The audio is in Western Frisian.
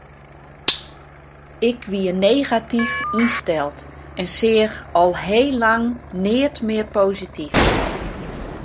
Ik wie negatyf ynsteld en seach al heel lang neat mear posityf.